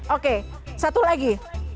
oke satu lagi